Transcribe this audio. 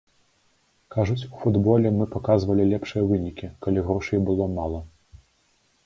Кажуць, у футболе мы паказвалі лепшыя вынікі, калі грошай было мала.